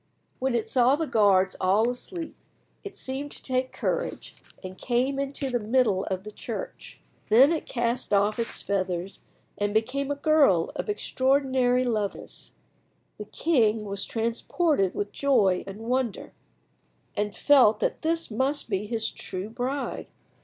When it saw the guards all asleep it seemed to take courage, and came into the middle of the church. Then it cast off its feathers and became a girl of extraordinary loveliness. The king was transported with joy and wonder, and felt that this must be his true bride.